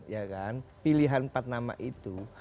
ya kan pilihan empat nama itu